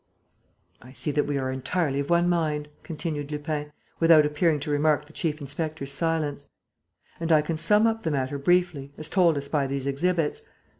"I see that we are entirely of one mind," continued Lupin, without appearing to remark the chief inspector's silence. "And I can sum up the matter briefly, as told us by these exhibits.